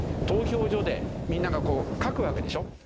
投票所でみんながこう書くわけでしょ？